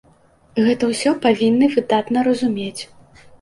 Гэта ўсё павінны выдатна разумець.